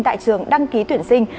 tại trường đăng ký tuyển sinh